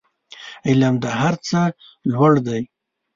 علم د هر څه لوړ دی